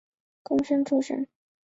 贡生出身。